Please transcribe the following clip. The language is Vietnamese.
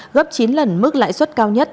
gấp chín lần mức lãi suất cao nhất